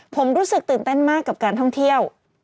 ผมรู้สึกตื่นเต้นมากกับการท่องเที่ยว